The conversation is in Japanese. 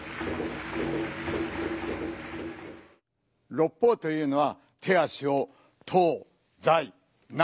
六方というのは手足を東西南北